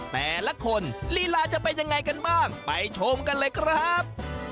แต่ละคนลีลาจะเป็นยังไงกันบ้างไปชมกันเลยครับ